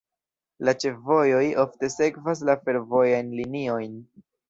La ĉefvojoj ofte sekvas la fervojajn liniojn.